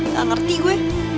gak ngerti gue